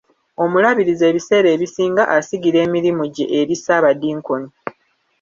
Omulabirizi ebiseera ebisinga asigira emirimu gye eri saabadinkoni.